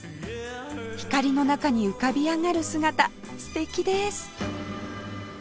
光の中に浮かび上がる姿素敵です！